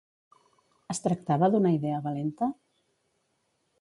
Es tractava d'una idea valenta?